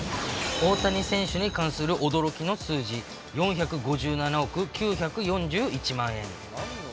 大谷選手に関する驚きの数字、４５７億９４１万円。